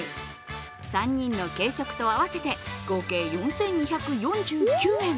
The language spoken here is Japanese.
３人の軽食と合わせて、合計４２４９円。